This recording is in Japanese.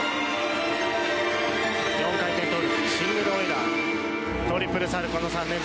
４回転トウループシングルオイラートリプルサルコウの３連続。